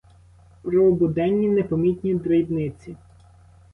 Про буденні, непомітні дрібниці?